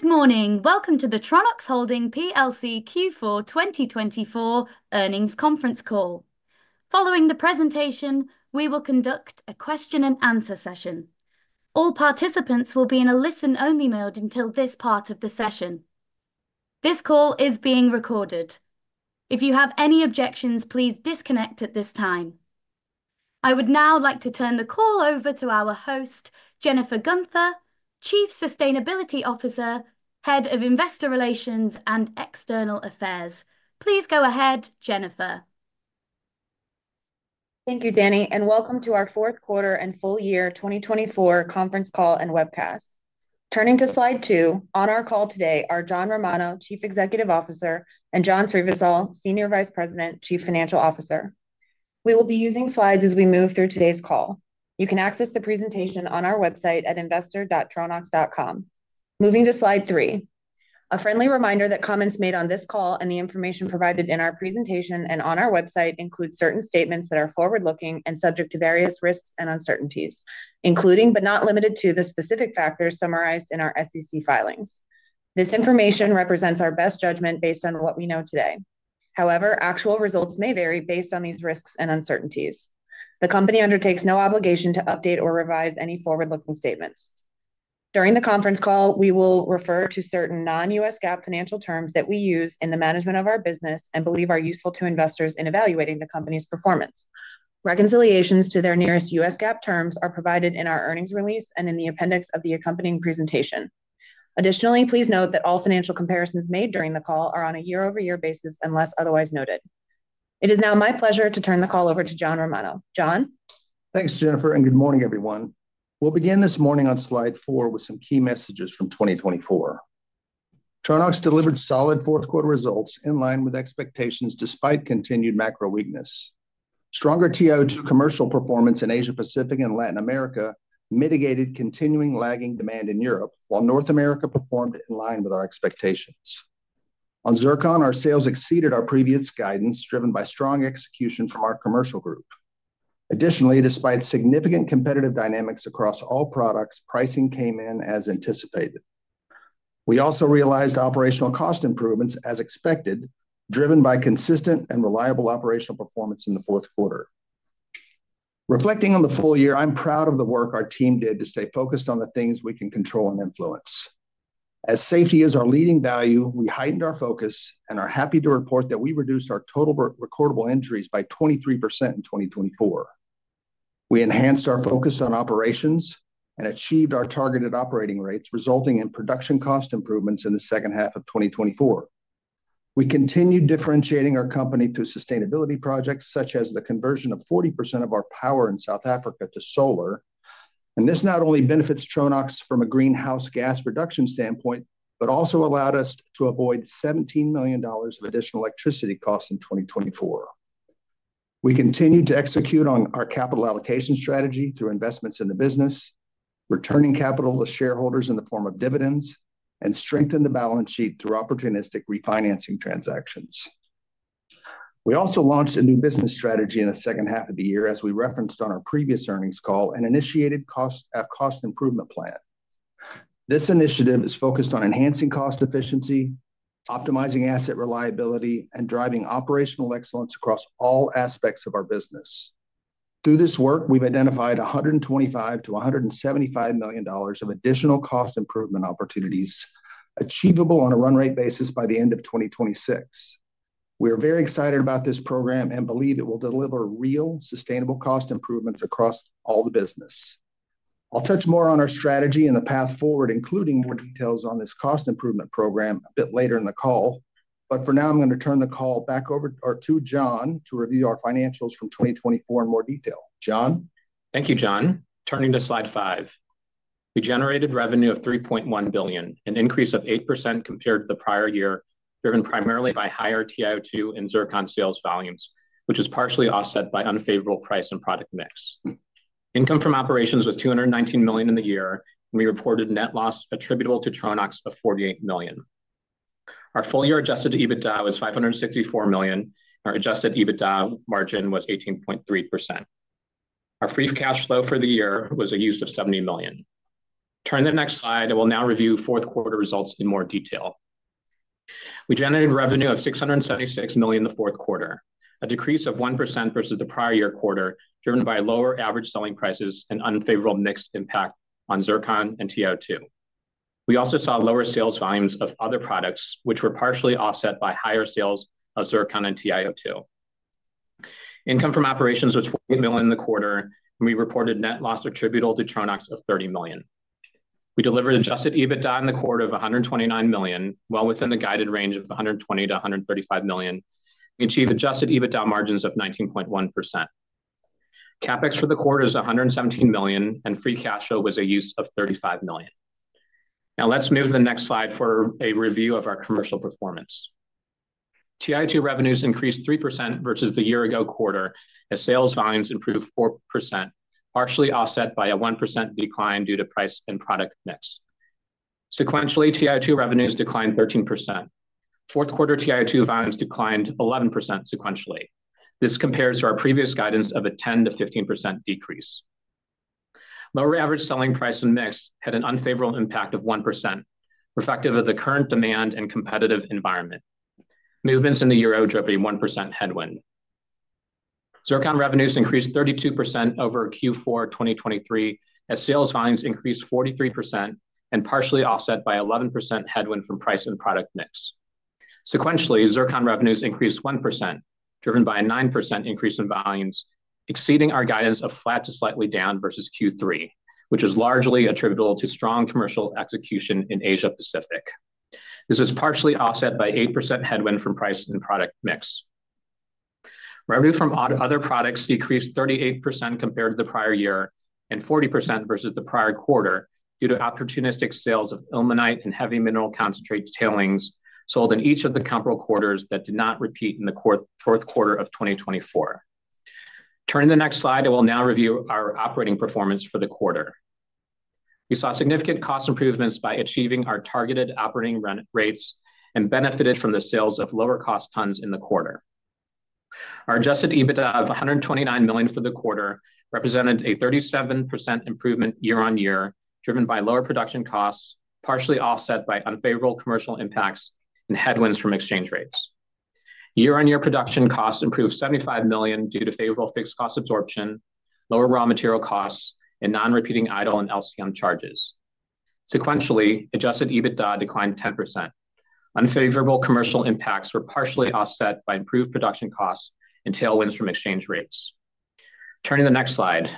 Good morning. Welcome to the Tronox Holdings plc Q4 2024 earnings conference call. Following the presentation, we will conduct a Q&A. All participants will be in a listen-only mode until this part of the session. This call is being recorded. If you have any objections, please disconnect at this time. I would now like to turn the call over to our host, Jennifer Guenther, Chief Sustainability Officer, Head of Investor Relations and External Affairs. Please go ahead, Jennifer. Thank you, Danny, and welcome to our Q4 and Full Year 2024 Conference Call and Webcast. Turning to slide two, on our call today are John Romano, Chief Executive Officer, and John Srivisal, Senior Vice President, Chief Financial Officer. We will be using slides as we move through today's call. You can access the presentation on our website at investor.tronox.com. Moving to slide three, a friendly reminder that comments made on this call and the information provided in our presentation and on our website include certain statements that are forward-looking and subject to various risks and uncertainties, including but not limited to the specific factors summarized in our SEC filings. This information represents our best judgment based on what we know today. However, actual results may vary based on these risks and uncertainties. The company undertakes no obligation to update or revise any forward-looking statements. During the conference call, we will refer to certain non-U.S. GAAP financial terms that we use in the management of our business and believe are useful to investors in evaluating the company's performance. Reconciliations to their nearest U.S. GAAP terms are provided in our earnings release and in the appendix of the accompanying presentation. Additionally, please note that all financial comparisons made during the call are on a year-over-year basis unless otherwise noted. It is now my pleasure to turn the call over to John Romano. John. Thanks, Jennifer, and good morning, everyone. We'll begin this morning on slide four with some key messages from 2024. Tronox delivered solid Q4 results in line with expectations despite continued macro weakness. Stronger TiO2 commercial performance in Asia-Pacific and Latin America mitigated continuing lagging demand in Europe, while North America performed in line with our expectations. On zircon, our sales exceeded our previous guidance, driven by strong execution from our commercial group. Additionally, despite significant competitive dynamics across all products, pricing came in as anticipated. We also realized operational cost improvements, as expected, driven by consistent and reliable operational performance in the Q4. Reflecting on the full year, I'm proud of the work our team did to stay focused on the things we can control and influence. As safety is our leading value, we heightened our focus and are happy to report that we reduced our total recordable injuries by 23% in 2024. We enhanced our focus on operations and achieved our targeted operating rates, resulting in production cost improvements in the second half of 2024. We continued differentiating our company through sustainability projects, such as the conversion of 40% of our power in South Africa to solar. This not only benefits Tronox from a greenhouse gas reduction standpoint, but also allowed us to avoid $17 million of additional electricity costs in 2024. We continue to execute on our capital allocation strategy through investments in the business, returning capital to shareholders in the form of dividends, and strengthen the balance sheet through opportunistic refinancing transactions. We also launched a new business strategy in the second half of the year, as we referenced on our previous earnings call, and initiated a cost improvement plan. This initiative is focused on enhancing cost efficiency, optimizing asset reliability, and driving operational excellence across all aspects of our business. Through this work, we've identified $125-$175 million of additional cost improvement opportunities achievable on a run rate basis by the end of 2026. We are very excited about this program and believe it will deliver real, sustainable cost improvements across all the business. I'll touch more on our strategy and the path forward, including more details on this cost improvement program, a bit later in the call. But for now, I'm going to turn the call back over to John to review our financials from 2024 in more detail. John. Thank you, John. Turning to slide five, we generated revenue of $3.1 billion, an increase of 8% compared to the prior year, driven primarily by higher TiO2 and Zircon sales volumes, which is partially offset by unfavorable price and product mix. Income from operations was $219 million in the year, and we reported net loss attributable to Tronox of $48 million. Our full-year Adjusted EBITDA was $564 million, and our Adjusted EBITDA margin was 18.3%. Our free cash flow for the year was a use of $70 million. Turn to the next slide, and we'll now review Q4 results in more detail. We generated revenue of $676 million in the Q4, a decrease of 1% versus the prior year quarter, driven by lower average selling prices and unfavorable mixed impact on Zircon and TiO2. We also saw lower sales volumes of other products, which were partially offset by higher sales of zircon and TiO2. Income from operations was $48 million in the quarter, and we reported net loss attributable to Tronox of $30 million. We delivered Adjusted EBITDA in the quarter of $129 million, well within the guided range of $120-$135 million. We achieved Adjusted EBITDA margins of 19.1%. CapEx for the quarter was $117 million, and free cash flow was a use of $35 million. Now let's move to the next slide for a review of our commercial performance. TiO2 revenues increased 3% versus the year-ago quarter, as sales volumes improved 4%, partially offset by a 1% decline due to price and product mix. Sequentially, TiO2 revenues declined 13%. Q4 TiO2 volumes declined 11% sequentially. This compares to our previous guidance of a 10%-15% decrease. Lower average selling price and mix had an unfavorable impact of 1%, reflective of the current demand and competitive environment. Movements in the year-ago drove a 1% headwind. Zircon revenues increased 32% over Q4 2023, as sales volumes increased 43% and partially offset by a 11% headwind from price and product mix. Sequentially, Zircon revenues increased 1%, driven by a 9% increase in volumes, exceeding our guidance of flat to slightly down versus Q3, which is largely attributable to strong commercial execution in Asia-Pacific. This was partially offset by an 8% headwind from price and product mix. Revenue from other products decreased 38% compared to the prior year and 40% versus the prior quarter due to opportunistic sales of ilmenite and heavy mineral concentrate tailings sold in each of the comparable quarters that did not repeat in the Q4 of 2024. Turning to the next slide, I will now review our operating performance for the quarter. We saw significant cost improvements by achieving our targeted operating rates and benefited from the sales of lower-cost tons in the quarter. Our Adjusted EBITDA of $129 million for the quarter represented a 37% improvement year-on-year, driven by lower production costs, partially offset by unfavorable commercial impacts and headwinds from exchange rates. Year-on-year production costs improved $75 million due to favorable fixed cost absorption, lower raw material costs, and non-repeating idle and LCM charges. Sequentially, Adjusted EBITDA declined 10%. Unfavorable commercial impacts were partially offset by improved production costs and tailwinds from exchange rates. Turning to the next slide,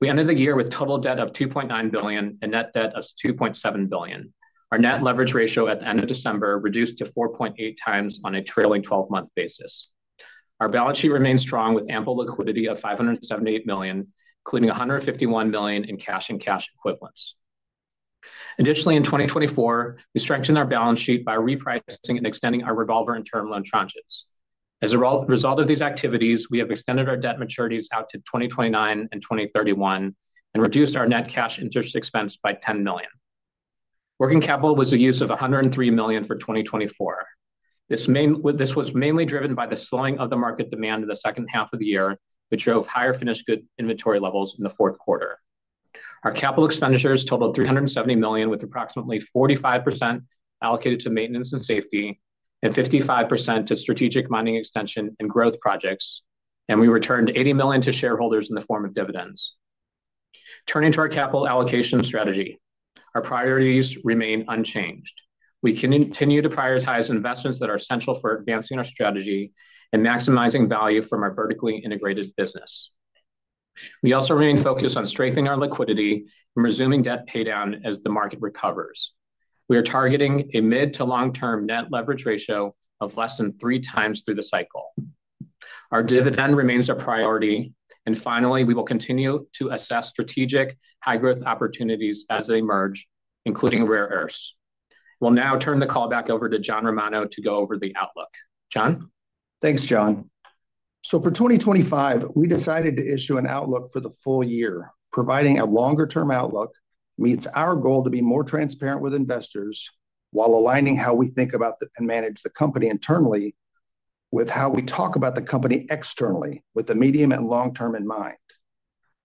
we ended the year with total debt of $2.9 billion and net debt of $2.7 billion. Our net leverage ratio at the end of December reduced to 4.8 times on a trailing 12-month basis. Our balance sheet remained strong with ample liquidity of $578 million, including $151 million in cash and cash equivalents. Additionally, in 2024, we strengthened our balance sheet by repricing and extending our revolver and term loan tranches. As a result of these activities, we have extended our debt maturities out to 2029 and 2031 and reduced our net cash interest expense by $10 million. Working capital was a use of $103 million for 2024. This was mainly driven by the slowing of the market demand in the second half of the year, which drove higher finished goods inventory levels in the Q4. Our capital expenditures totaled $370 million, with approximately 45% allocated to maintenance and safety and 55% to strategic mining extension and growth projects, and we returned $80 million to shareholders in the form of dividends. Turning to our capital allocation strategy, our priorities remain unchanged. We continue to prioritize investments that are essential for advancing our strategy and maximizing value from our vertically integrated business. We also remain focused on strengthening our liquidity and resuming debt paydown as the market recovers. We are targeting a mid- to long-term net leverage ratio of less than three times through the cycle. Our dividend remains a priority, and finally, we will continue to assess strategic high-growth opportunities as they emerge, including rare earths. We'll now turn the call back over to John Romano to go over the outlook. John? Thanks, John. So for 2025, we decided to issue an outlook for the full year. Providing a longer-term outlook meets our goal to be more transparent with investors while aligning how we think about and manage the company internally with how we talk about the company externally, with the medium and long term in mind.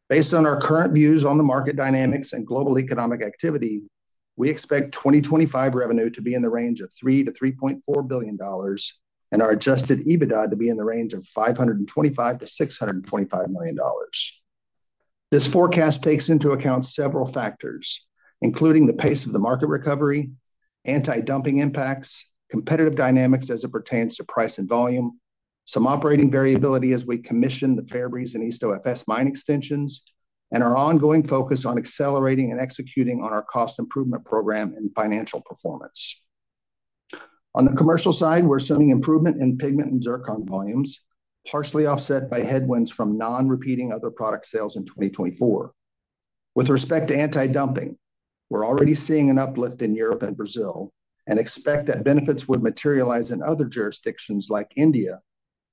Based on our current views on the market dynamics and global economic activity, we expect 2025 revenue to be in the range of $3-$3.4 billion and our Adjusted EBITDA to be in the range of $525-$625 million. This forecast takes into account several factors, including the pace of the market recovery, anti-dumping impacts, competitive dynamics as it pertains to price and volume, some operating variability as we commission the Fairbreeze and East Ops mine extensions, and our ongoing focus on accelerating and executing on our cost improvement program and financial performance. On the commercial side, we're assuming improvement in pigment and zircon volumes, partially offset by headwinds from non-repeating other product sales in 2024. With respect to anti-dumping, we're already seeing an uplift in Europe and Brazil and expect that benefits would materialize in other jurisdictions like India,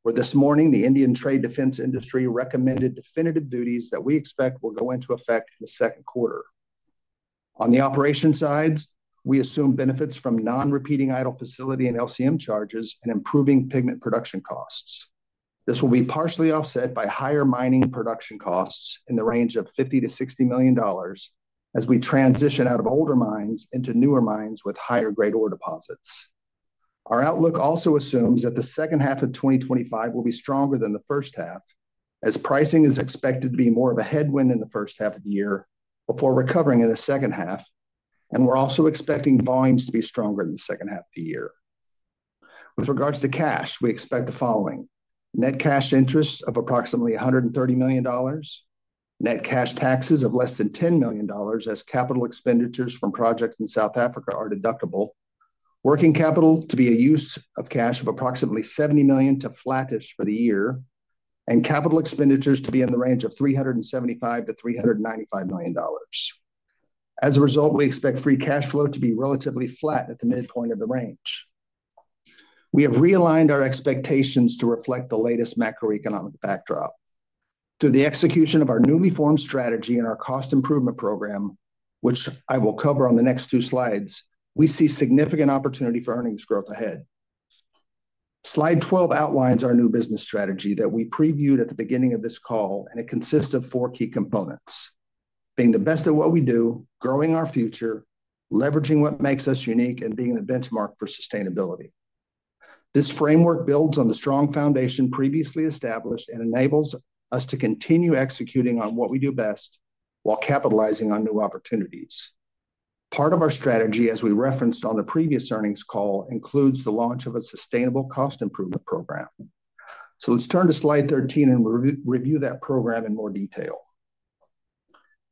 where this morning the Indian trade defense industry recommended definitive duties that we expect will go into effect in the Q2. On the operation side, we assume benefits from non-repeating idle facility and LCM charges and improving pigment production costs. This will be partially offset by higher mining production costs in the range of $50-$60 million as we transition out of older mines into newer mines with higher grade ore deposits. Our outlook also assumes that the second half of 2025 will be stronger than the first half, as pricing is expected to be more of a headwind in the first half of the year before recovering in the second half, and we're also expecting volumes to be stronger in the second half of the year. With regards to cash, we expect the following: net cash interest of approximately $130 million, net cash taxes of less than $10 million as capital expenditures from projects in South Africa are deductible, working capital to be a use of cash of approximately $70 million to flattish for the year, and capital expenditures to be in the range of $375-$395 million. As a result, we expect free cash flow to be relatively flat at the midpoint of the range. We have realigned our expectations to reflect the latest macroeconomic backdrop. Through the execution of our newly formed strategy and our cost improvement program, which I will cover on the next two slides, we see significant opportunity for earnings growth ahead. Slide 12 outlines our new business strategy that we previewed at the beginning of this call, and it consists of four key components: being the best at what we do, growing our future, leveraging what makes us unique, and being the benchmark for sustainability. This framework builds on the strong foundation previously established and enables us to continue executing on what we do best while capitalizing on new opportunities. Part of our strategy, as we referenced on the previous earnings call, includes the launch of a sustainable cost improvement program. So let's turn to Slide 13 and review that program in more detail.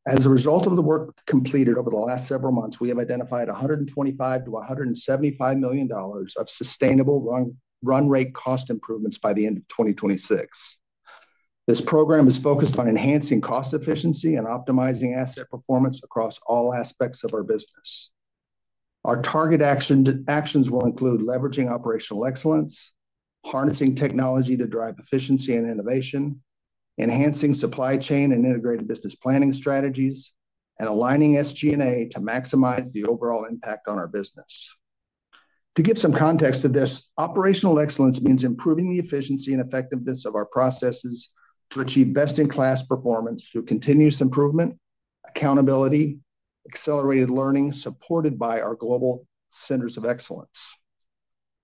As a result of the work completed over the last several months, we have identified $125-$175 million of sustainable run rate cost improvements by the end of 2026. This program is focused on enhancing cost efficiency and optimizing asset performance across all aspects of our business. Our target actions will include leveraging operational excellence, harnessing technology to drive efficiency and innovation, enhancing supply chain and integrated business planning strategies, and aligning SG&A to maximize the overall impact on our business. To give some context to this, operational excellence means improving the efficiency and effectiveness of our processes to achieve best-in-class performance through continuous improvement, accountability, accelerated learning supported by our global centers of excellence.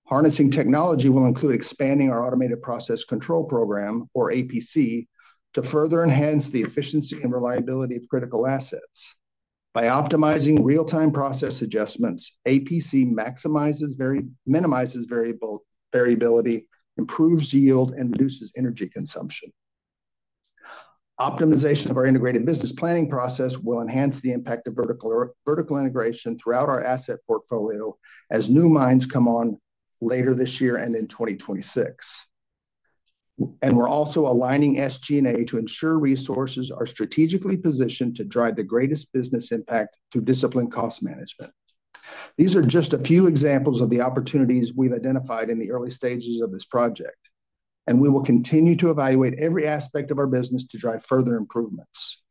Harnessing technology will include expanding our automated process control program, or APC, to further enhance the efficiency and reliability of critical assets. By optimizing real-time process adjustments, APC minimizes variability, improves yield, and reduces energy consumption. Optimization of our integrated business planning process will enhance the impact of vertical integration throughout our asset portfolio as new mines come on later this year and in 2026, and we're also aligning SG&A to ensure resources are strategically positioned to drive the greatest business impact through disciplined cost management. These are just a few examples of the opportunities we've identified in the early stages of this project, and we will continue to evaluate every aspect of our business to drive further improvements.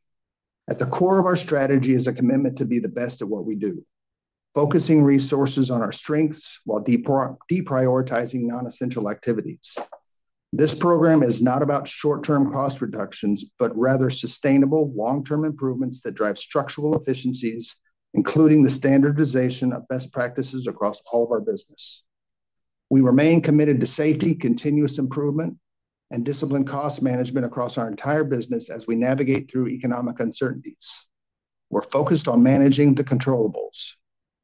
At the core of our strategy is a commitment to be the best at what we do, focusing resources on our strengths while deprioritizing non-essential activities. This program is not about short-term cost reductions, but rather sustainable long-term improvements that drive structural efficiencies, including the standardization of best practices across all of our business. We remain committed to safety, continuous improvement, and disciplined cost management across our entire business as we navigate through economic uncertainties. We're focused on managing the controllables.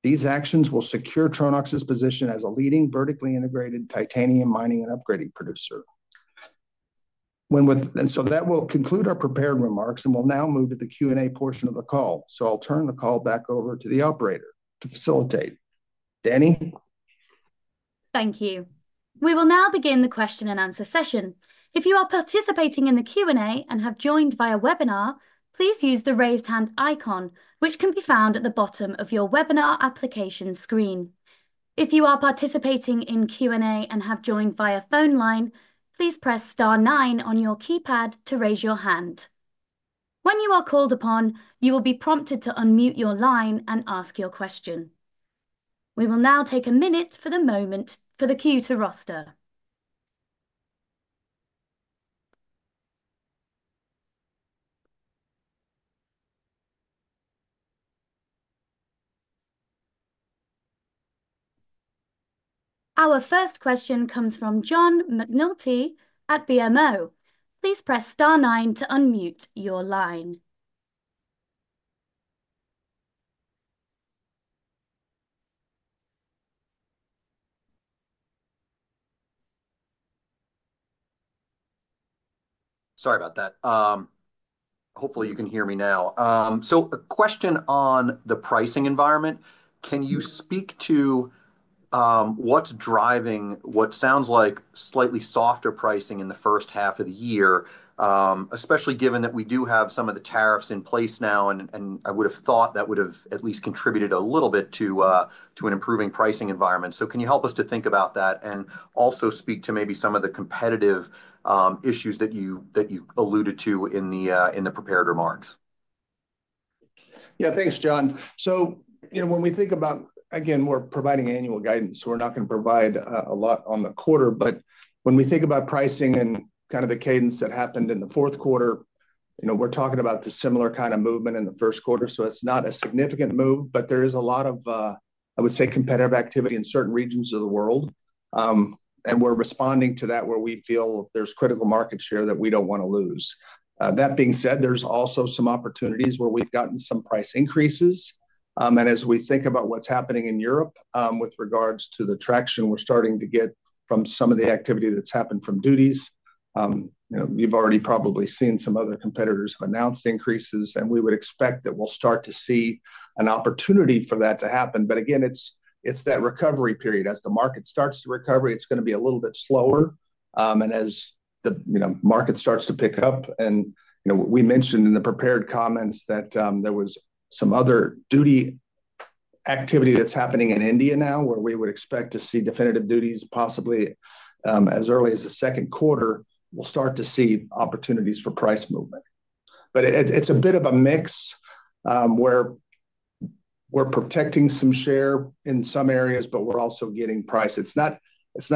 These actions will secure Tronox's position as a leading vertically integrated titanium mining and upgrading producer, and so that will conclude our prepared remarks, and we'll now move to the Q&A portion of the call, so I'll turn the call back over to the operator to facilitate. Danny? Thank you. We will now begin the Q&A session. If you are participating in the Q&A and have joined via webinar, please use the raised hand icon, which can be found at the bottom of your webinar application screen. If you are participating in Q&A and have joined via phone line, please press star nine on your keypad to raise your hand. When you are called upon, you will be prompted to unmute your line and ask your question. We will now take a moment for the queue to form. Our first question comes from John McNulty at BMO. Please press star nine to unmute your line. Sorry about that. Hopefully, you can hear me now. So a question on the pricing environment. Can you speak to what's driving what sounds like slightly softer pricing in the first half of the year, especially given that we do have some of the tariffs in place now, and I would have thought that would have at least contributed a little bit to an improving pricing environment? So can you help us to think about that and also speak to maybe some of the competitive issues that you alluded to in the prepared remarks? Thanks, John. So when we think about, again, we're providing annual guidance. We're not going to provide a lot on the quarter, but when we think about pricing and the cadence that happened in the Q4, we're talking about the similar movement in the Q1. So it's not a significant move, but there is a lot of, I would say, competitive activity in certain regions of the world, and we're responding to that where we feel there's critical market share that we don't want to lose. That being said, there's also some opportunities where we've gotten some price increases. As we think about what's happening in Europe with regards to the traction we're starting to get from some of the activity that's happened from duties, you've already probably seen some other competitors have announced increases, and we would expect that we'll start to see an opportunity for that to happen. Again, it's that recovery period. As the market starts to recover, it's going to be a little bit slower. As the market starts to pick up, and we mentioned in the prepared comments that there was some other duty activity that's happening in India now, where we would expect to see definitive duties possibly as early as the Q2, we'll start to see opportunities for price movement. It's a bit of a mix where we're protecting some share in some areas, but we're also getting price. It's not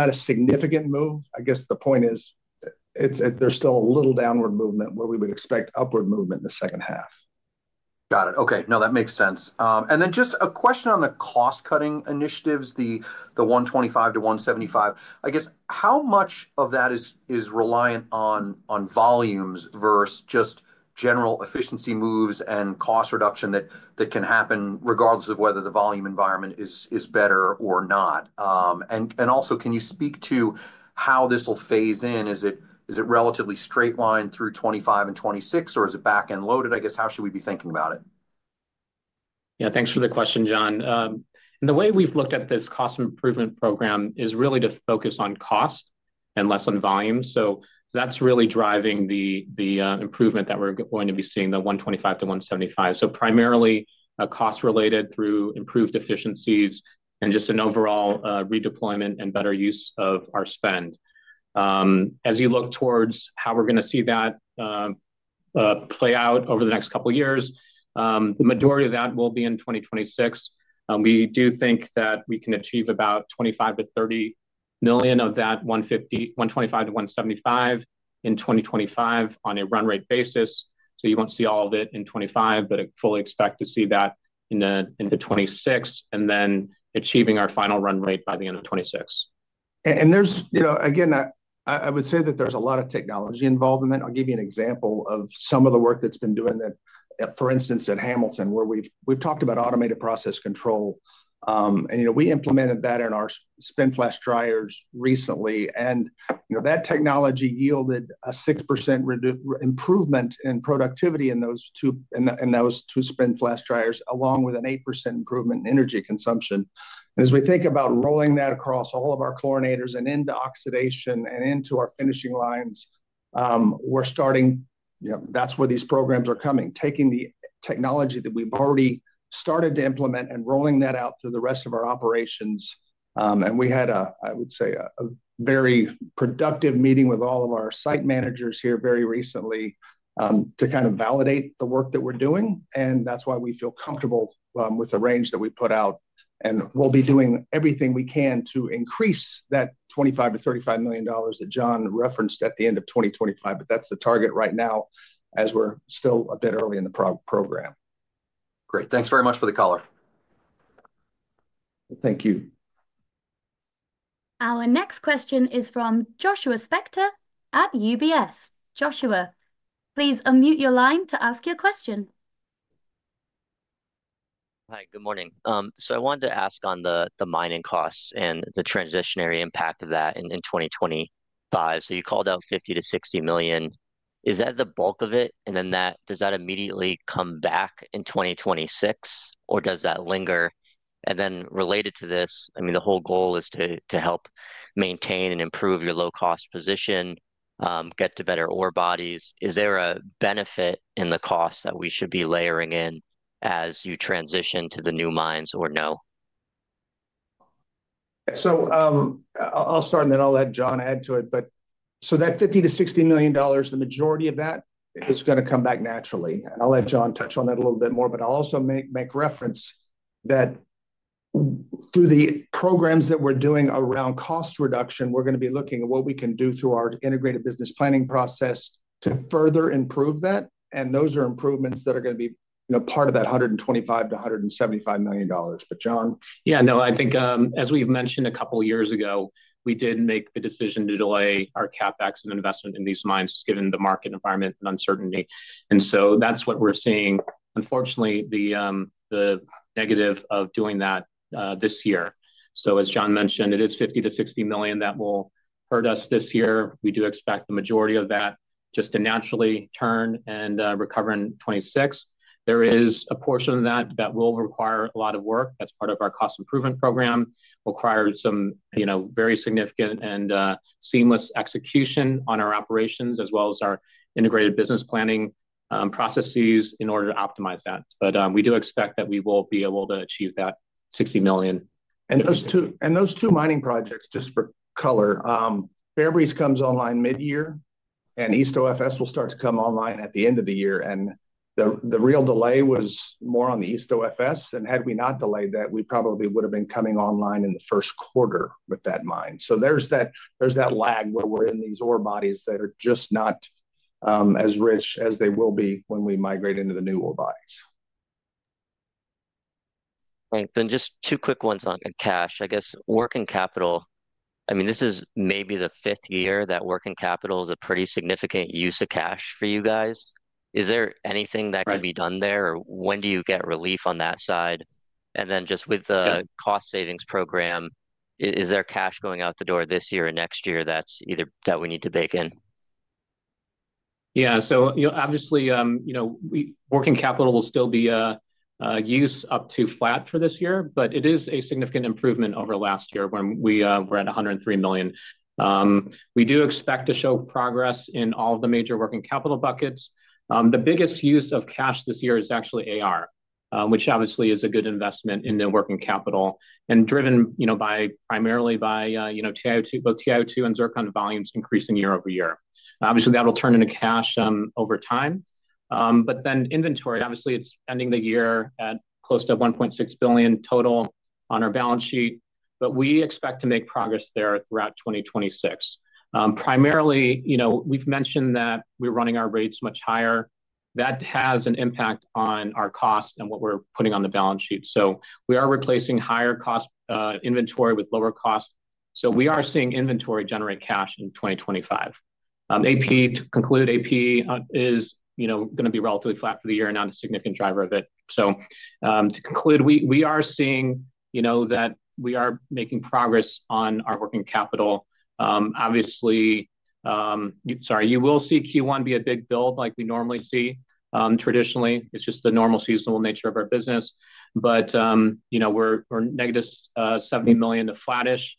a significant move. The point is there's still a little downward movement where we would expect upward movement in the second half. Got it. Okay. No, that makes sense. And then just a question on the cost-cutting initiatives, the $125-$175. How much of that is reliant on volumes versus just general efficiency moves and cost reduction that can happen regardless of whether the volume environment is better or not? And also, can you speak to how this will phase in? Is it relatively straight line through 2025 and 2026, or is it back and loaded? How should we be thinking about it? Thanks for the question, John. The way we've looked at this cost improvement program is really to focus on cost and less on volume. So that's really driving the improvement that we're going to be seeing, the $125-$175. So primarily cost-related through improved efficiencies and just an overall redeployment and better use of our spend. As you look towards how we're going to see that play out over the next couple of years, the majority of that will be in 2026. We do think that we can achieve about $25-$30 million of that $125-$175 in 2025 on a run rate basis. So you won't see all of it in 2025, but I fully expect to see that in 2026 and then achieving our final run rate by the end of 2026. Again, I would say that there's a lot of technology involvement. I'll give you an example of some of the work that's been doing that, for instance, at Hamilton, where we've talked about automated process control. We implemented that in our spin flash dryers recently. That technology yielded a 6% improvement in productivity in those two spin flash dryers, along with an 8% improvement in energy consumption. As we think about rolling that across all of our chlorinators and into oxidation and into our finishing lines, we're starting, that's where these programs are coming, taking the technology that we've already started to implement and rolling that out through the rest of our operations. We had, I would say, a very productive meeting with all of our site managers here very recently to validate the work that we're doing. That's why we feel comfortable with the range that we put out. We'll be doing everything we can to increase that $25-$35 million that John referenced at the end of 2025. That's the target right now as we're still a bit early in the program. Great. Thanks very much for the caller. Thank you. Our next question is from Joshua Spector at UBS. Joshua, please unmute your line to ask your question. Hi, good morning. So I wanted to ask on the mining costs and the transitionary impact of that in 2025. So you called out $50-$60 million. Is that the bulk of it? And then does that immediately come back in 2026, or does that linger? And then related to this, I mean, the whole goal is to help maintain and improve your low-cost position, get to better ore bodies. Is there a benefit in the cost that we should be layering in as you transition to the new mines, or no? So I'll start, and then I'll let John add to it. So that $50-$60 million, the majority of that is going to come back naturally. And I'll let John touch on that a little bit more, but I'll also make reference that through the programs that we're doing around cost reduction, we're going to be looking at what we can do through our integrated business planning process to further improve that. And those are improvements that are going to be part of that $125-$175 million. But John? As we've mentioned a couple of years ago, we did make the decision to delay our CapEx and investment in these mines just given the market environment and uncertainty. And so that's what we're seeing. Unfortunately, the negative of doing that this year. So as John mentioned, it is $50-$60 million that will hurt us this year. We do expect the majority of that just to naturally turn and recover in 2026. There is a portion of that that will require a lot of work. That's part of our cost improvement program. It will require some very significant and seamless execution on our operations as well as our integrated business planning processes in order to optimize that. But we do expect that we will be able to achieve that $60 million. And those two mining projects, just for color, Fairbreeze comes online mid-year, and East Ops will start to come online at the end of the year. And the real delay was more on the East Ops. And had we not delayed that, we probably would have been coming online in the Q1 with that mine. So there's that lag where we're in these ore bodies that are just not as rich as they will be when we migrate into the new ore bodies. Then just two quick ones on cash. Working capital, I mean, this is maybe the fifth year that working capital is a pretty significant use of cash for you guys. Is there anything that can be done there, or when do you get relief on that side? And then just with the cost savings program, is there cash going out the door this year or next year that we need to bake in? So obviously, working capital will still be used up to flat for this year, but it is a significant improvement over last year when we were at $103 million. We do expect to show progress in all of the major working capital buckets. The biggest use of cash this year is actually AR, which obviously is a good investment in the working capital and driven primarily by both TiO2 and zircon volumes increasing year over year. Obviously, that will turn into cash over time. But then inventory, obviously, it's ending the year at close to $1.6 billion total on our balance sheet. But we expect to make progress there throughout 2026. Primarily, we've mentioned that we're running our rates much higher. That has an impact on our cost and what we're putting on the balance sheet. So we are replacing higher cost inventory with lower cost. We are seeing inventory generate cash in 2025. To conclude, AP is going to be relatively flat for the year and not a significant driver of it. To conclude, we are seeing that we are making progress on our working capital. Obviously, sorry, you will see Q1 be a big build like we normally see traditionally. It's just the normal seasonal nature of our business. But we're negative $70 million to flattish.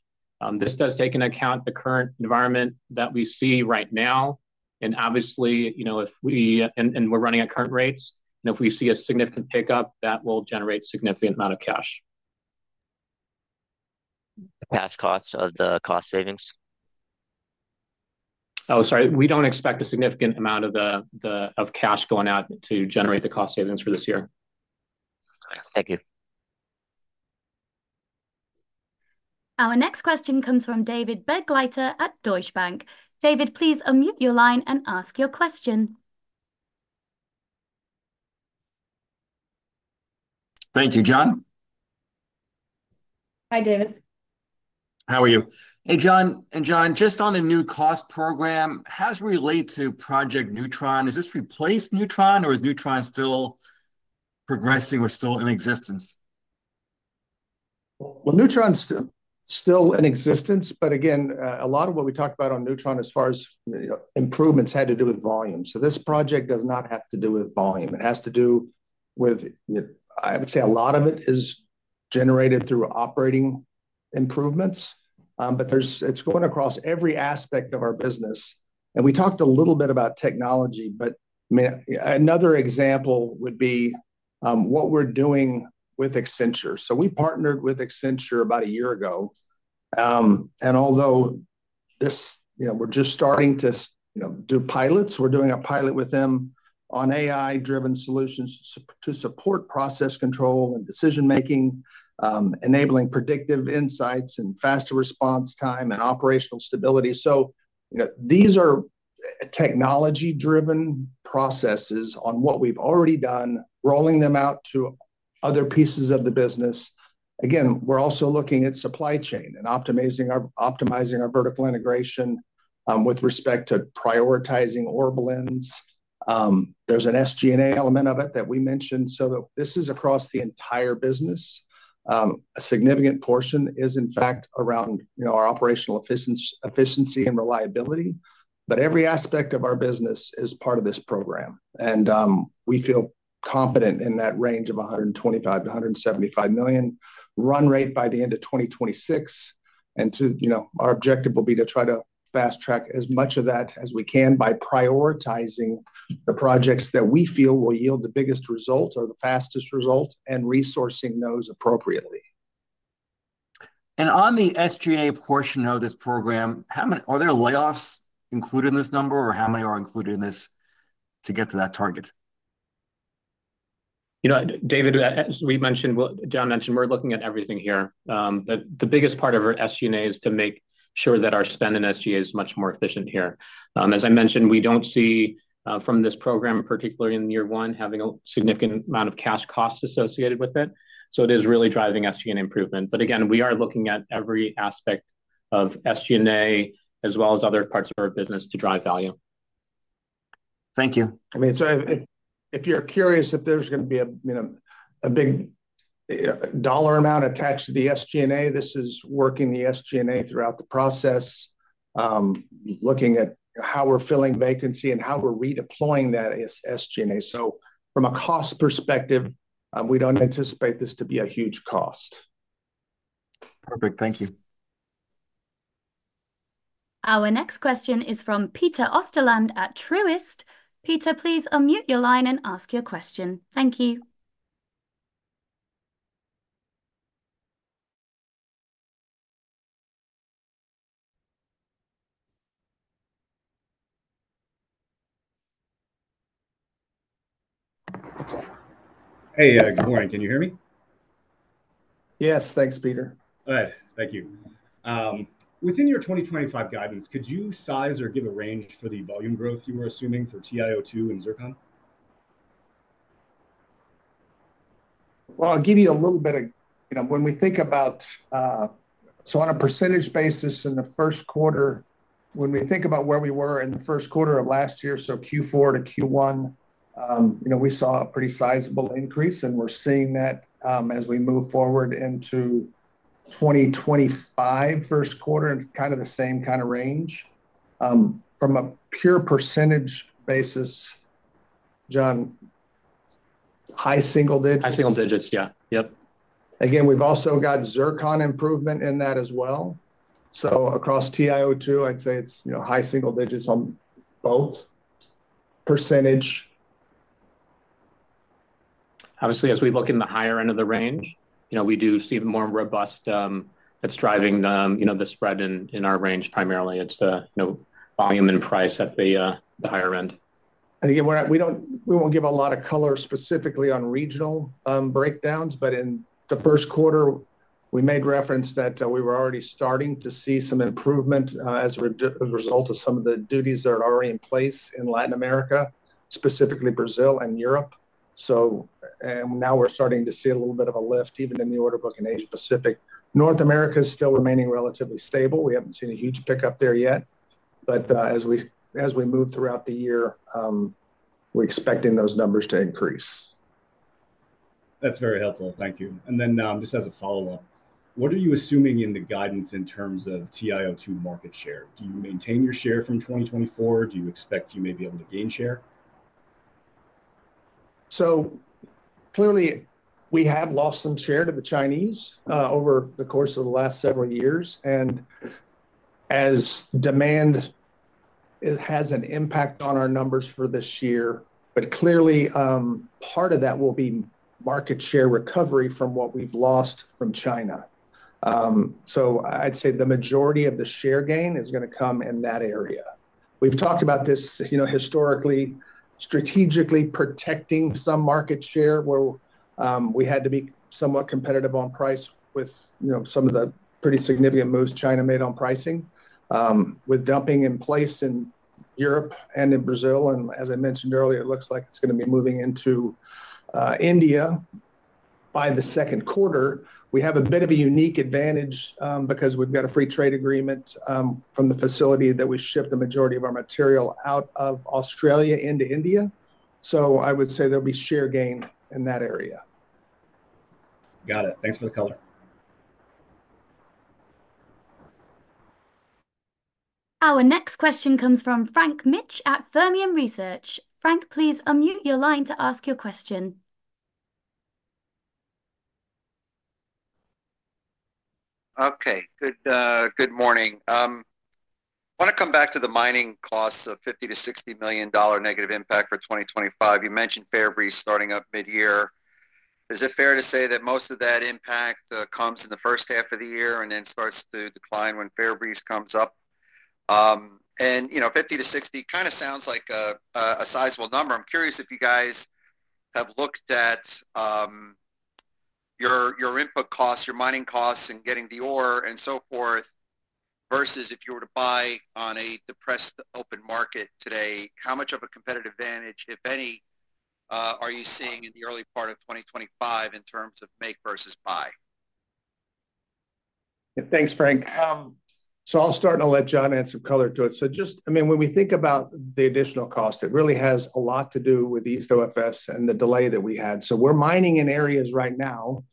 This does take into account the current environment that we see right now. And obviously, if we're running at current rates and if we see a significant pickup, that will generate a significant amount of cash. The cash cost of the cost savings? Oh, sorry. We don't expect a significant amount of cash going out to generate the cost savings for this year. Thank you. Our next question comes from David Begleiter at Deutsche Bank. David, please unmute your line and ask your question. Thank you, John. Hi, David. How are you? Hey, John. And John, just on the new cost program, how does it relate to Project Neutron? Is this replaced Neutron, or is Neutron still progressing or still in existence? Neutron's still in existence. But again, a lot of what we talked about on Neutron as far as improvements had to do with volume. So this project does not have to do with volume. It has to do with, I would say, a lot of it is generated through operating improvements. But it's going across every aspect of our business. And we talked a little bit about technology, but another example would be what we're doing with Accenture. So we partnered with Accenture about a year ago. And although we're just starting to do pilots, we're doing a pilot with them on AI-driven solutions to support process control and decision-making, enabling predictive insights and faster response time and operational stability. So these are technology-driven processes on what we've already done, rolling them out to other pieces of the business. Again, we're also looking at supply chain and optimizing our vertical integration with respect to prioritizing ore blends. There's an SG&A element of it that we mentioned. So this is across the entire business. A significant portion is, in fact, around our operational efficiency and reliability. But every aspect of our business is part of this program. And we feel confident in that range of $125-$175 million run rate by the end of 2026. Our objective will be to try to fast-track as much of that as we can by prioritizing the projects that we feel will yield the biggest result or the fastest result and resourcing those appropriately. On the SG&A portion of this program, are there layoffs included in this number, or how many are included in this to get to that target? David, as we mentioned, John mentioned, we're looking at everything here. The biggest part of our SG&A is to make sure that our spend in SGA is much more efficient here. As I mentioned, we don't see from this program, particularly in year one, having a significant amount of cash costs associated with it. So it is really driving SG&A improvement. But again, we are looking at every aspect of SG&A as well as other parts of our business to drive value. Thank you. I mean, so if you're curious if there's going to be a big dollar amount attached to the SG&A, this is working the SG&A throughout the process, looking at how we're filling vacancy and how we're redeploying that SG&A. So from a cost perspective, we don't anticipate this to be a huge cost. Perfect. Thank you. Our next question is from Peter Osterland at Truist. Peter, please unmute your line and ask your question. Thank you. Hey, good morning. Can you hear me? Yes. Thanks, Peter. All right. Thank you. Within your 2025 guidance, could you size or give a range for the volume growth you were assuming for TiO2 and zircon? I'll give you a little bit. When we think about so on a percentage basis in the Q1, when we think about where we were in the Q1 of last year, so Q4 to Q1, we saw a pretty sizable increase. We're seeing that as we move forward into 2025 Q1 and the same range. From a pure percentage basis, John, high single digits. High single digits. Again, we've also got Zircon improvement in that as well. So across TiO2, I'd say it's high single digits on both percentage. Obviously, as we look in the higher end of the range, we do see more robust. It's driving the spread in our range primarily. It's the volume and price at the higher end. Again, we won't give a lot of color specifically on regional breakdowns. In the Q1, we made reference that we were already starting to see some improvement as a result of some of the duties that are already in place in Latin America, specifically Brazil and Europe. Now we're starting to see a little bit of a lift even in the order book in Asia-Pacific. North America is still remaining relatively stable. We haven't seen a huge pickup there yet. As we move throughout the year, we're expecting those numbers to increase. That's very helpful. Thank you. And then just as a follow-up, what are you assuming in the guidance in terms of TiO2 market share? Do you maintain your share from 2024? Do you expect you may be able to gain share? So clearly, we have lost some share to the Chinese over the course of the last several years. And as demand has an impact on our numbers for this year, but clearly, part of that will be market share recovery from what we've lost from China. So I'd say the majority of the share gain is going to come in that area. We've talked about this historically, strategically protecting some market share where we had to be somewhat competitive on price with some of the pretty significant moves China made on pricing with dumping in place in Europe and in Brazil. And as I mentioned earlier, it looks like it's going to be moving into India. By the Q2, we have a bit of a unique advantage because we've got a free trade agreement from the facility that we ship the majority of our material out of Australia into India, so I would say there'll be share gain in that area. Got it. Thanks for the color. Our next question comes from Frank Mitsch at Fermium Research. Frank, please unmute your line to ask your question. Okay. Good morning. I want to come back to the mining costs of $50-$60 million negative impact for 2025. You mentioned Fairbreeze starting up mid-year. Is it fair to say that most of that impact comes in the first half of the year and then starts to decline when Fairbreeze comes up? And 50 to 60 sounds like a sizable number. I'm curious if you guys have looked at your input costs, your mining costs, and getting the ore and so forth versus if you were to buy on a depressed open market today. How much of a competitive advantage, if any, are you seeing in the early part of 2025 in terms of make versus buy? Thanks, Frank. So I'll start and I'll let John add some color to it. So just, I mean, when we think about the additional cost, it really has a lot to do with East Ops and the delay that we had. So we're mining in areas right now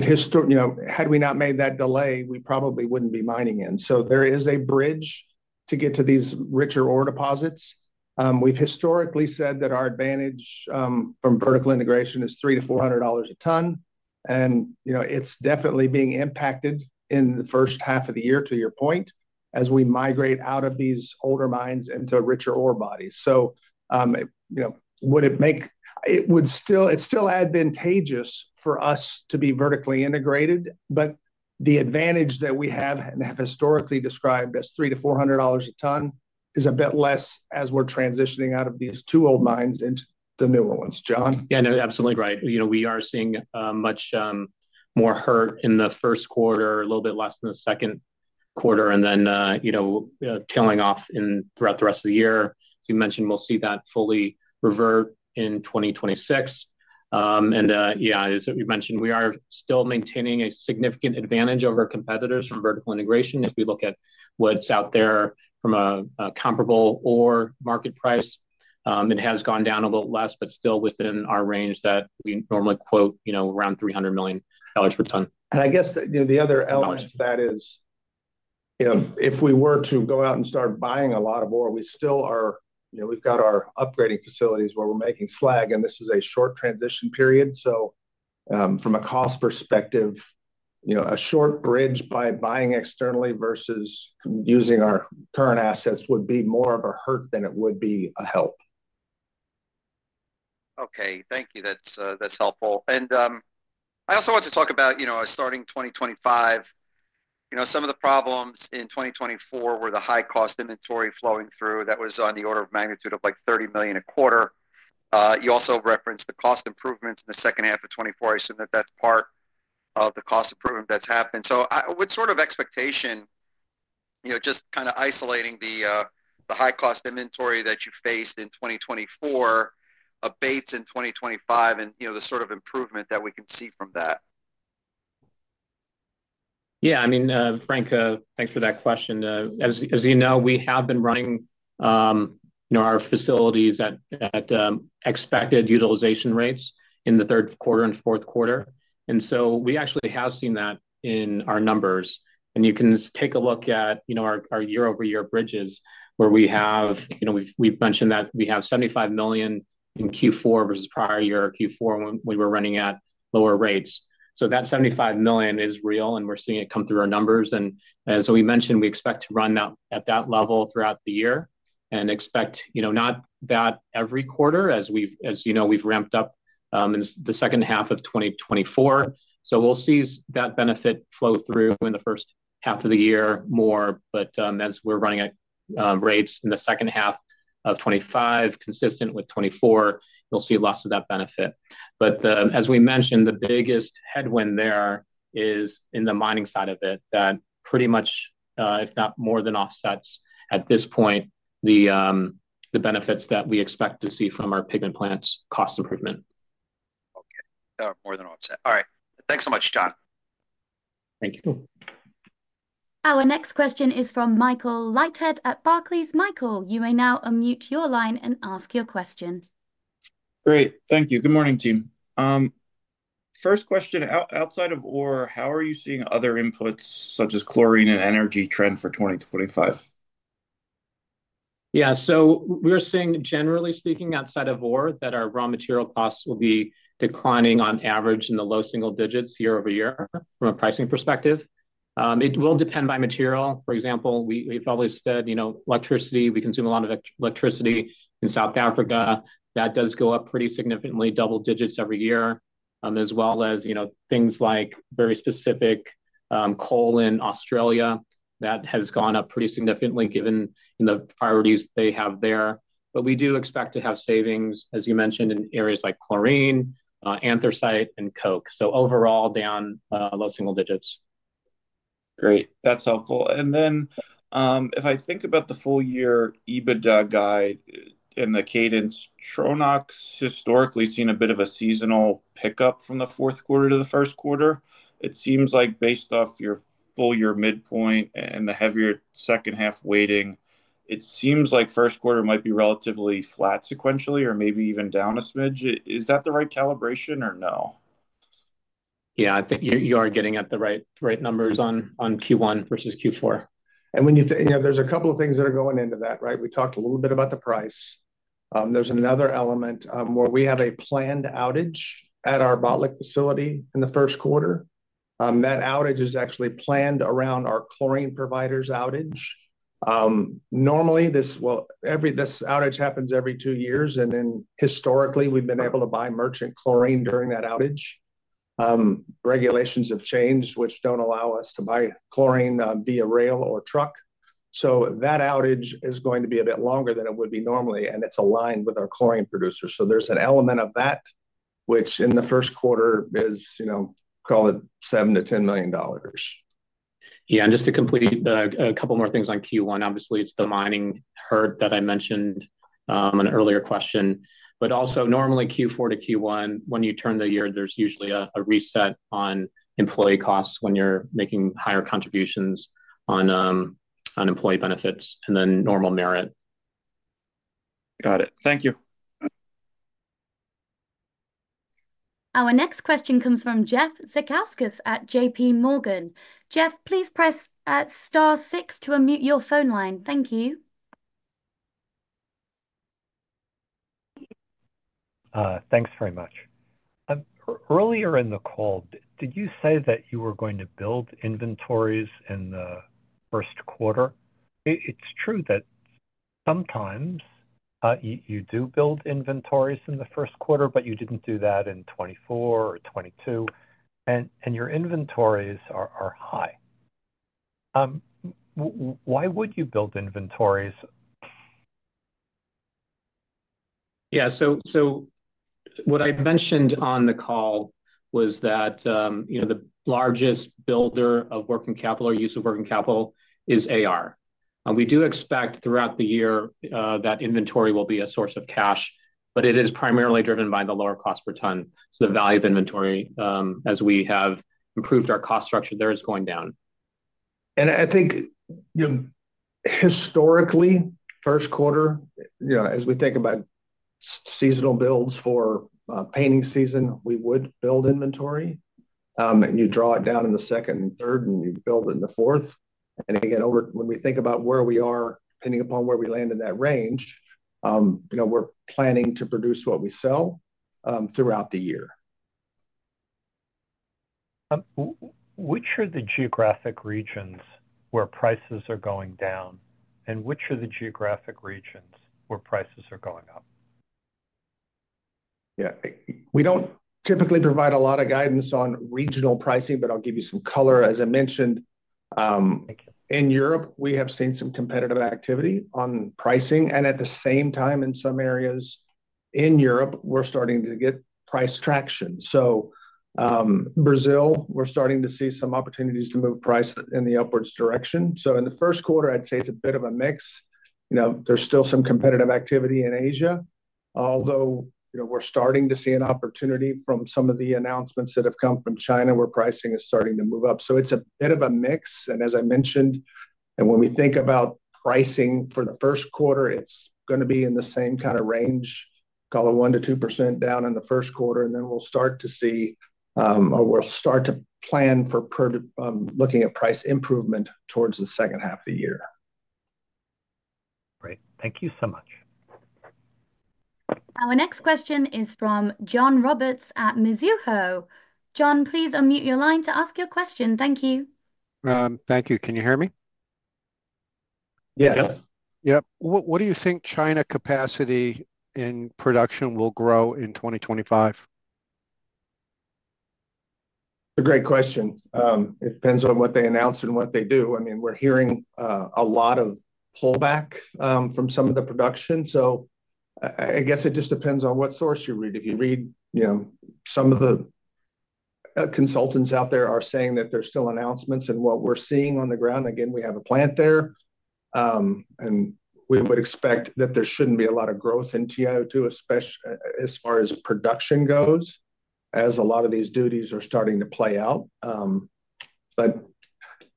that had we not made that delay, we probably wouldn't be mining in. So there is a bridge to get to these richer ore deposits. We've historically said that our advantage from vertical integration is $300-$400 a ton. And it's definitely being impacted in the first half of the year, to your point, as we migrate out of these older mines into richer ore bodies. It's still advantageous for us to be vertically integrated, but the advantage that we have and have historically described as $300-$400 a ton is a bit less as we're transitioning out of these two old mines into the newer ones. John? .No, absolutely right. We are seeing much more hurt in the Q1, a little bit less in the Q2, and then tailing off throughout the rest of the year. As you mentioned, we'll see that fully revert in 2026. And, as we mentioned, we are still maintaining a significant advantage over our competitors from vertical integration. If we look at what's out there from a comparable ore market price, it has gone down a little less, but still within our range that we normally quote around $300 per ton. And the other element of that is if we were to go out and start buying a lot of ore, we still are, we've got our upgrading facilities where we're making slag, and this is a short transition period. So from a cost perspective, a short bridge by buying externally versus using our current assets would be more of a hurt than it would be a help. Okay. Thank you. That's helpful. And I also want to talk about starting 2025. Some of the problems in 2024 were the high-cost inventory flowing through. That was on the order of magnitude of like $30 million a quarter. You also referenced the cost improvements in the second half of 2024. I assume that that's part of the cost improvement that's happened. So what expectation, just isolating the high-cost inventory that you faced in 2024, abates in 2025 and the improvement that we can see from that? Frank, thanks for that question. As you know, we have been running our facilities at expected utilization rates in the Q3 and Q4. And so we actually have seen that in our numbers. And you can take a look at our year-over-year bridges where we have—we've mentioned that we have $75 million in Q4 versus prior year, Q4, when we were running at lower rates. So that $75 million is real, and we're seeing it come through our numbers. And as we mentioned, we expect to run at that level throughout the year and expect not that every quarter, as you know, we've ramped up in the second half of 2024. So we'll see that benefit flow through in the first half of the year more. But as we're running at rates in the second half of 2025, consistent with 2024, you'll see less of that benefit. But as we mentioned, the biggest headwind there is in the mining side of it that pretty much, if not more than offsets at this point, the benefits that we expect to see from our pigment plants' cost improvement. Okay. More than offset. All right. Thanks so much, John. Thank you. Our next question is from Michael Leithead at Barclays. Michael, you may now unmute your line and ask your question. Great. Thank you. Good morning, team. First question, outside of ore, how are you seeing other inputs such as chlorine and energy trend for 2025? So we're seeing, generally speaking, outside of ore, that our raw material costs will be declining on average in the low single digits year over year from a pricing perspective. It will depend by material. For example, we've always said electricity, we consume a lot of electricity in South Africa. That does go up pretty significantly, double digits every year, as well as things like very specific coal in Australia. That has gone up pretty significantly given the priorities they have there. But we do expect to have savings, as you mentioned, in areas like chlorine, anthracite, and coke. So overall, down low single digits. Great. That's helpful. And then if I think about the full-year EBITDA guide and the cadence, Tronox has historically seen a bit of a seasonal pickup from the Q4 to the Q1. It seems like based off your full-year midpoint and the heavier second half weighting, it seems like Q1 might be relatively flat sequentially or maybe even down a smidge. Is that the right calibration or no? You are getting at the right numbers on Q1 versus Q4. And when you say there's a couple of things that are going into that, right? We talked a little bit about the price. There's another element where we have a planned outage at our Botlek facility in the Q1. That outage is actually planned around our chlorine provider's outage. Normally, this outage happens every two years. And then historically, we've been able to buy merchant chlorine during that outage. Regulations have changed, which don't allow us to buy chlorine via rail or truck. So that outage is going to be a bit longer than it would be normally. And it's aligned with our chlorine producers. So there's an element of that, which in the Q1 is, call it, $7-$10 million. And just to complete a couple more things on Q1, obviously, it's the mining hurt that I mentioned in an earlier question, but also, normally, Q4 to Q1, when you turn the year, there's usually a reset on employee costs when you're making higher contributions on employee benefits and then normal merit. Got it. Thank you. Our next question comes from Jeffrey Zekauskas at J.P. Morgan. Jeff, please press star six to unmute your phone line. Thank you. Thanks very much. Earlier in the call, did you say that you were going to build inventories in the Q1? It's true that sometimes you do build inventories in the Q1, but you didn't do that in 2024 or 2022, and your inventories are high. Why would you build inventories? So what I mentioned on the call was that the largest builder of working capital or use of working capital is AR. We do expect throughout the year that inventory will be a source of cash, but it is primarily driven by the lower cost per ton. So the value of inventory, as we have improved our cost structure there, is going down. And I think historically, Q1, as we think about seasonal builds for painting season, we would build inventory. You draw it down in the second and third, and you build it in the fourth. And again, when we think about where we are, depending upon where we land in that range, we're planning to produce what we sell throughout the year. Which are the geographic regions where prices are going down, and which are the geographic regions where prices are going up? We don't typically provide a lot of guidance on regional pricing, but I'll give you some color. As I mentioned, in Europe, we have seen some competitive activity on pricing. And at the same time, in some areas in Europe, we're starting to get price traction. So Brazil, we're starting to see some opportunities to move price in the upwards direction. So in the Q1, I'd say it's a bit of a mix. There's still some competitive activity in Asia, although we're starting to see an opportunity from some of the announcements that have come from China where pricing is starting to move up. So it's a bit of a mix. And as I mentioned, and when we think about pricing for the Q1, it's going to be in the same range, call it 1%-2% down in the Q1. And then we'll start to see or we'll start to plan for looking at price improvement towards the second half of the year. Great. Thank you so much. Our next question is from John Roberts at Mizuho. John, please unmute your line to ask your question. Thank you. Thank you. Can you hear me? Yes. What do you think China capacity in production will grow in 2025? It's a great question. It depends on what they announce and what they do. I mean, we're hearing a lot of pullback from some of the production. So it just depends on what source you read. If you read some of the consultants out there are saying that there's still announcements. And what we're seeing on the ground, again, we have a plant there. And we would expect that there shouldn't be a lot of growth in TiO2 as far as production goes, as a lot of these duties are starting to play out. But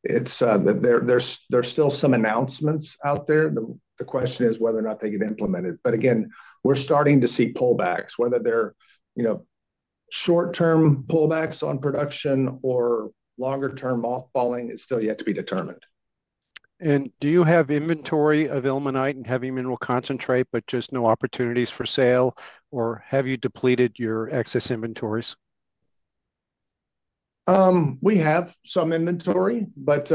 there's still some announcements out there. The question is whether or not they get implemented. But again, we're starting to see pullbacks, whether they're short-term pullbacks on production or longer-term mothballing is still yet to be determined. Do you have inventory of ilmenite and heavy mineral concentrate, but just no opportunities for sale, or have you depleted your excess inventories? We have some inventory, but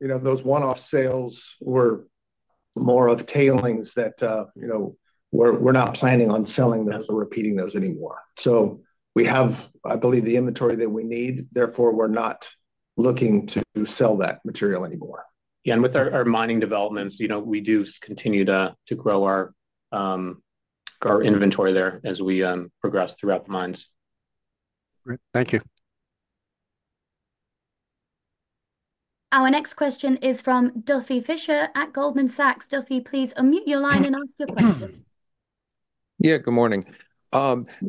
those one-off sales were more of tailings that we're not planning on selling those or repeating those anymore, so we have, I believe, the inventory that we need. Therefore, we're not looking to sell that material anymore. And with our mining developments, we do continue to grow our inventory there as we progress throughout the mines. Great. Thank you. Our next question is from Duffy Fischer at Goldman Sachs. Duffy, please unmute your line and ask your question. Good morning.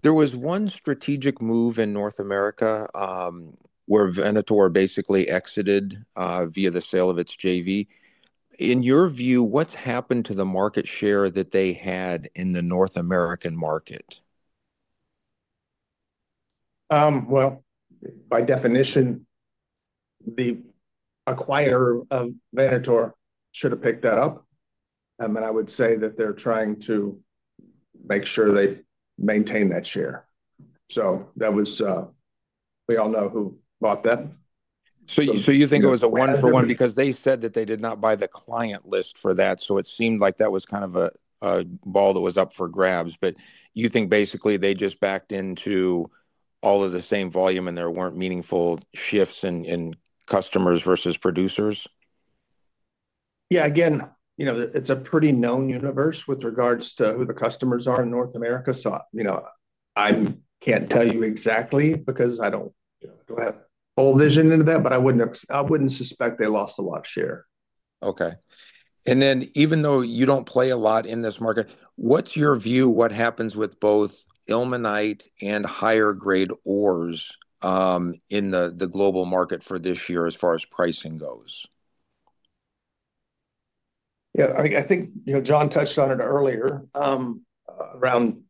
There was one strategic move in North America where Venator basically exited via the sale of its JV. In your view, what's happened to the market share that they had in the North American market? By definition, the acquirer of Venator should have picked that up. I mean, I would say that they're trying to make sure they maintain that share. So we all know who bought that. So you think it was a one-for-one because they said that they did not buy the client list for that. So it seemed like that was a ball that was up for grabs. But you think basically they just backed into all of the same volume and there weren't meaningful shifts in customers versus producers? Again, it's a pretty known universe with regards to who the customers are in North America. So I can't tell you exactly because I don't have full vision into that, but I wouldn't suspect they lost a lot of share. Okay. And then even though you don't play a lot in this market, what's your view? What happens with both ilmenite and higher-grade ores in the global market for this year as far as pricing goes? John touched on it earlier around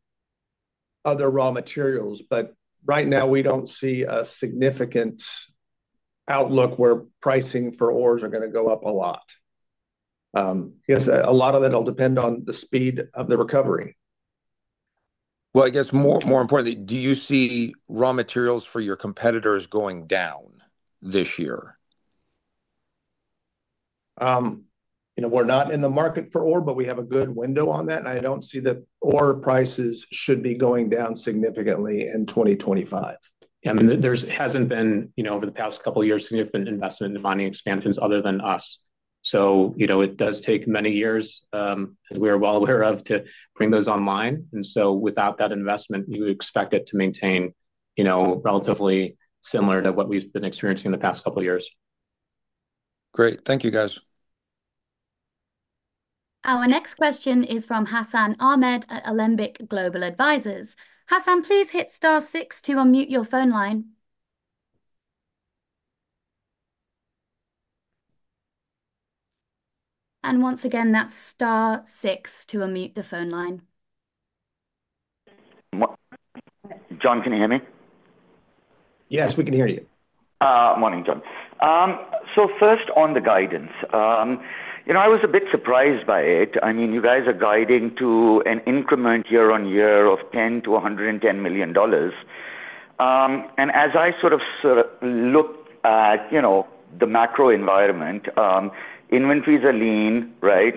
other raw materials. But right now, we don't see a significant outlook where pricing for ores are going to go up a lot. Yes, a lot of that will depend on the speed of the recovery. More importantly, do you see raw materials for your competitors going down this year? We're not in the market for ore, but we have a good window on that. And I don't see that ore prices should be going down significantly in 2025. There hasn't been over the past couple of years significant investment in mining expansions other than us, so it does take many years, as we are well aware of, to bring those online, and so without that investment, you would expect it to maintain relatively similar to what we've been experiencing in the past couple of years. Great. Thank you, guys. Our next question is from Hassan Ahmed at Alembic Global Advisors. Hassan, please hit star six to unmute your phone line. And once again, that's star six to unmute the phone line. John, can you hear me? Yes, we can hear you. Morning, John. So first on the guidance, I was a bit surprised by it. I mean, you guys are guiding to an increment year on year of $10 million-$110 million. And as I look at the macro environment, inventories are lean, right?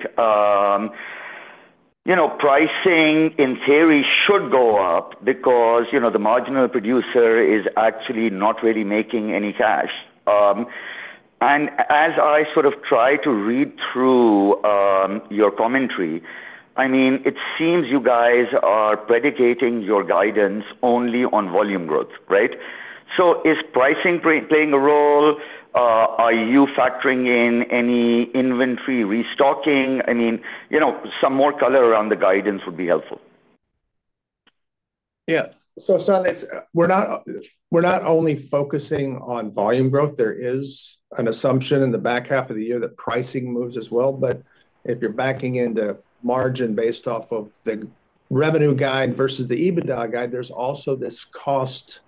Pricing, in theory, should go up because the marginal producer is actually not really making any cash. And as I try to read through your commentary, I mean, it seems you guys are predicating your guidance only on volume growth, right? So is pricing playing a role? Are you factoring in any inventory restocking? I mean, some more color around the guidance would be helpful. So, John, we're not only focusing on volume growth. There is an assumption in the back half of the year that pricing moves as well. But if you're backing into margin based off of the revenue guide versus the EBITDA guide, there's also this cost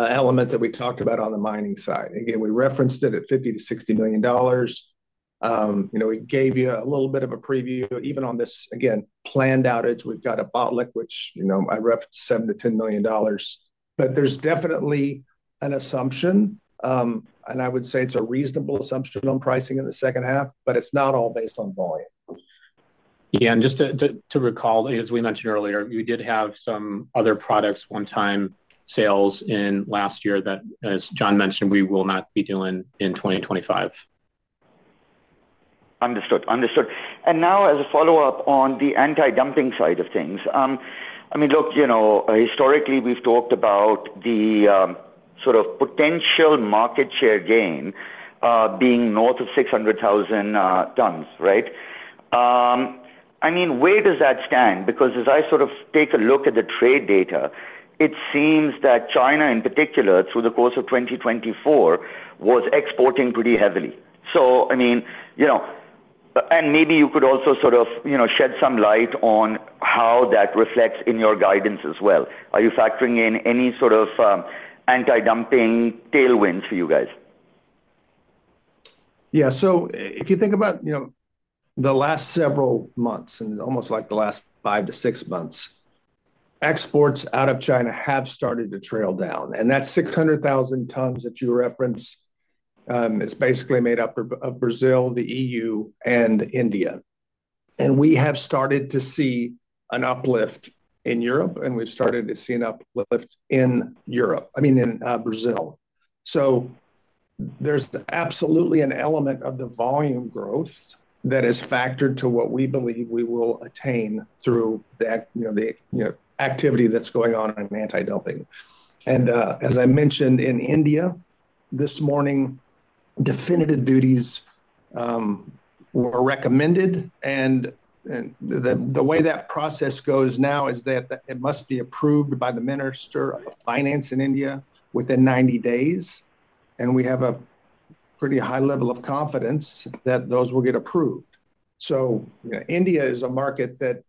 element that we talked about on the mining side. Again, we referenced it at $50-$60 million. We gave you a little bit of a preview. Even on this, again, planned outage, we've got a Botlek, which I referenced $7-$10 million. But there's definitely an assumption. And I would say it's a reasonable assumption on pricing in the second half, but it's not all based on volume. And just to recall, as we mentioned earlier, we did have some other products one-time sales in last year that, as John mentioned, we will not be doing in 2025. Understood. Understood. And now, as a follow-up on the anti-dumping side of things, I mean, look, historically, we've talked about the potential market share gain being north of 600,000 tons, right? I mean, where does that stand? Because as I take a look at the trade data, it seems that China in particular, through the course of 2024, was exporting pretty heavily. So I mean, and maybe you could also shed some light on how that reflects in your guidance as well. Are you factoring in any anti-dumping tailwinds for you guys? So if you think about the last several months, and it's almost like the last five to six months, exports out of China have started to trail down. That 600,000 tons that you referenced is basically made up of Brazil, the EU, and India. We have started to see an uplift in Europe, and we've started to see an uplift in Europe, I mean, in Brazil. There's absolutely an element of the volume growth that is factored to what we believe we will attain through the activity that's going on in anti-dumping. As I mentioned in India this morning, definitive duties were recommended. The way that process goes now is that it must be approved by the Minister of Finance in India within 90 days. We have a pretty high level of confidence that those will get approved. India is a market that,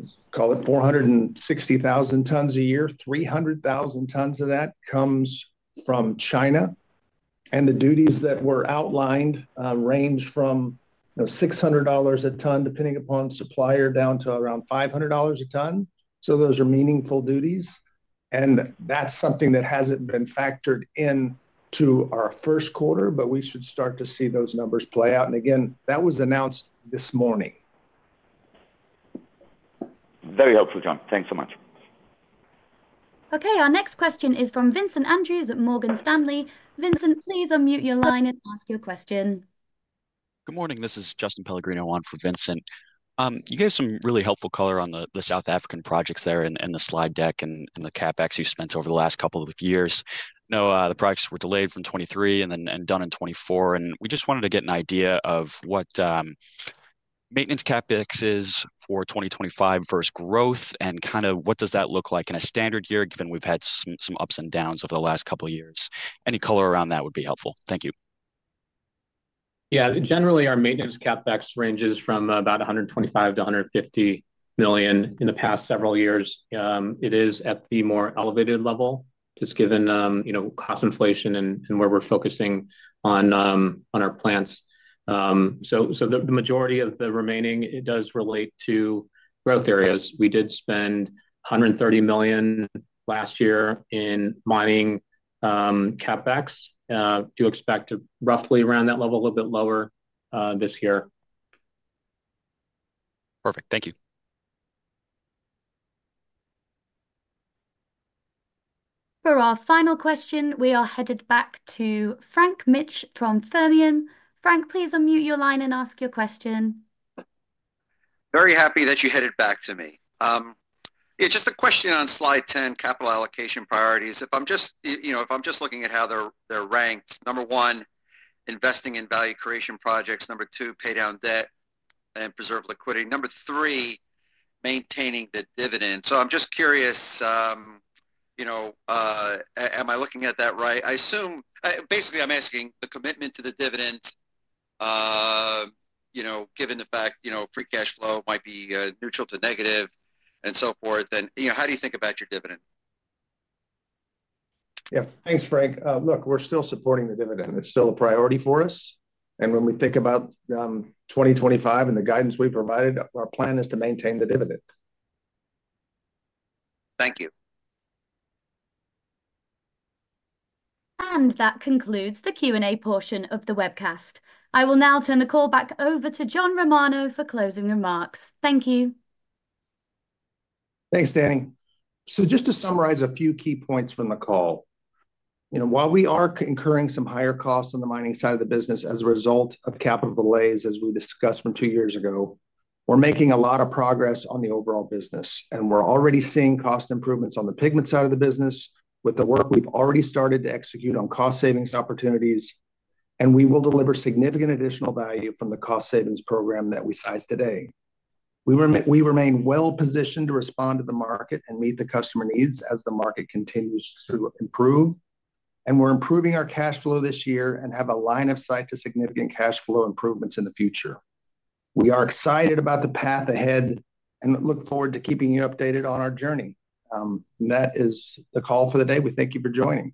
let's call it 460,000 tons a year, 300,000 tons of that comes from China. The duties that were outlined range from $600 a ton, depending upon supplier, down to around $500 a ton. Those are meaningful duties. That's something that hasn't been factored into our Q1, but we should start to see those numbers play out. Again, that was announced this morning. Very helpful, John. Thanks so much. Okay. Our next question is from Vincent Andrews at Morgan Stanley. Vincent, please unmute your line and ask your question. Good morning. This is Justin Pellegrino on for Vincent. You gave some really helpful color on the South African projects there in the slide deck and the CapEx you spent over the last couple of years. The projects were delayed from 2023 and done in 2024. And we just wanted to get an idea of what maintenance CapEx is for 2025 versus growth and what does that look like in a standard year, given we've had some ups and downs over the last couple of years. Any color around that would be helpful. Thank you. Generally, our maintenance CapEx ranges from about $125 million-$150 million in thepast several years. It is at the more elevated level just given cost inflation and where we're focusing on our plants. So the majority of the remaining, it does relate to growth areas. We did spend $130 million last year in mining CapEx. Do expect roughly around that level, a little bit lower this year. Perfect. Thank you. For our final question, we are headed back to Frank Mitsch from Fermium. Frank, please unmute your line and ask your question. Very happy that you headed back to me. Just a question on Slide 10, capital allocation priorities. If I'm just looking at how they're ranked, number one, investing in value creation projects, number two, pay down debt and preserve liquidity, number three, maintaining the dividend. So I'm just curious, am I looking at that right? Basically, I'm asking the commitment to the dividend, given the fact free cash flow might be neutral to negative and so forth, then how do you think about your dividend? Thanks, Frank. Look, we're still supporting the dividend. It's still a priority for us. And when we think about 2025 and the guidance we provided, our plan is to maintain the dividend. Thank you. That concludes the Q&A portion of the webcast. I will now turn the call back over to John Romano for closing remarks. Thank you. Thanks, Danny. So just to summarize a few key points from the call. While we are incurring some higher costs on the mining side of the business as a result of capital delays, as we discussed from two years ago, we're making a lot of progress on the overall business. And we're already seeing cost improvements on the pigment side of the business with the work we've already started to execute on cost savings opportunities. And we will deliver significant additional value from the cost savings program that we sized today. We remain well positioned to respond to the market and meet the customer needs as the market continues to improve. And we're improving our cash flow this year and have a line of sight to significant cash flow improvements in the future. We are excited about the path ahead and look forward to keeping you updated on our journey. That is the call for the day. We thank you for joining.